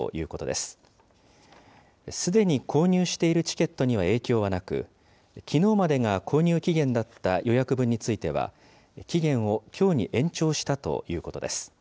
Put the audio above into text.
すでに購入しているチケットには影響はなく、きのうまでが購入期限だった予約分については、期限をきょうに延長したということです。